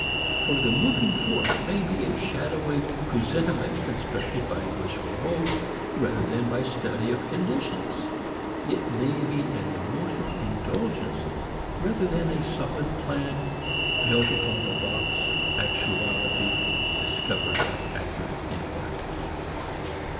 For the moving force may be a shadowy presentiment constructed by wishful hope rather than by study of conditions; it may be an emotional indulgence rather than a solid plan built upon the rocks of actuality discovered by accurate inquiries.